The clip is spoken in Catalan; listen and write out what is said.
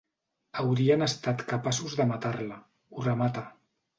Haurien estat capaços de matar-la —ho remata.